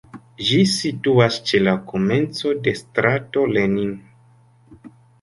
Ĝi situas ĉe la komenco de strato Lenin.